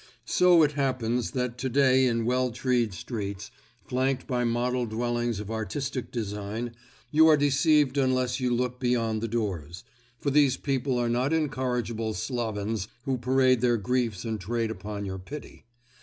So it happens that today in well treed streets, flanked by model dwellings of artistic design, you are deceived unless you look behind the doors; for these people are not incorrigible slovens who parade their griefs and trade upon your pity.